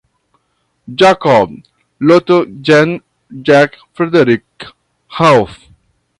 Jacob, Lt. Gen. Jack Frederick Ralph.